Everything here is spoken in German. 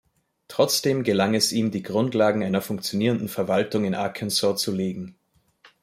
Trotzdem gelang es ihm, die Grundlagen einer funktionierenden Verwaltung in Arkansas zu legen.